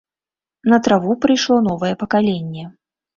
На траву прыйшло новае пакаленне.